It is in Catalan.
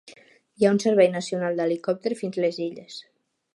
Hi ha un servei nacional d"helicòpter fins les illes.